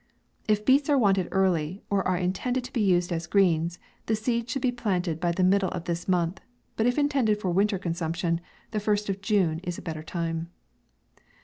If beets are wanted early, or are intended to be used as greens, the seed should be planted by the middle of this month, but if intended for winter consumption, the first of June is a better time.